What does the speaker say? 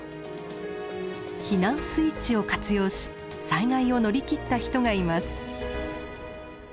避難スイッチを活用し災害を乗り切った人がいます。